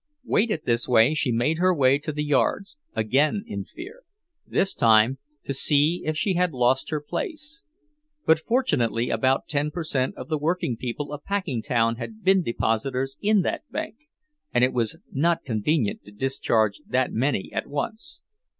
Weighted this way she made her way to the yards, again in fear, this time to see if she had lost her place; but fortunately about ten per cent of the working people of Packingtown had been depositors in that bank, and it was not convenient to discharge that many at once.